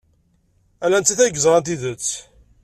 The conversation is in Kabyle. Ala nettat ay yeẓran tidet.